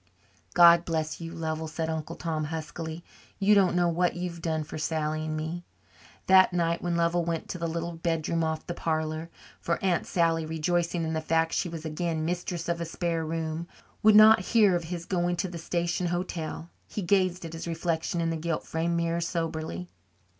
"God bless you, Lovell," said Uncle Tom huskily. "You don't know what you've done for Sally and me." That night, when Lovell went to the little bedroom off the parlour for Aunt Sally, rejoicing in the fact that she was again mistress of a spare room, would not hear of his going to the station hotel he gazed at his reflection in the gilt framed mirror soberly.